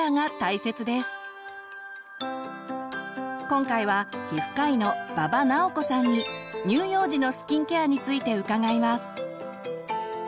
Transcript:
今回は皮膚科医の馬場直子さんに乳幼児のスキンケアについて伺います。